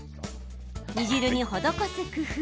煮汁に施す工夫。